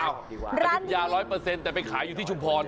อ้าวที่อายุทยาล้อยเปอร์เซ็นต์แต่ไปขายอยู่ที่ชุมพร